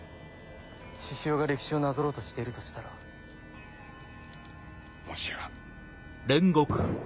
志々雄が歴史をなぞろうとしているとしたら。もしや。